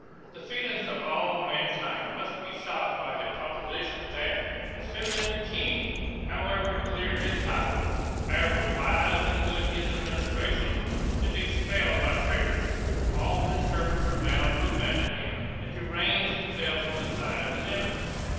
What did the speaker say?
The feelings of all mankind must be shocked by the proposition that, as soon as a King, however clear his title, however wise and good his administration, is expelled by traitors, all his servants are bound to abandon him, and to range themselves on the side of his enemies.